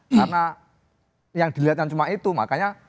karena yang dilihat yang cuma itu makanya